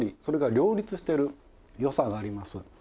それが両立してる良さがあります。